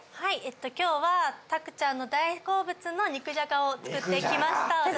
今日はたくちゃんの大好物の肉じゃがを作ってきました私が。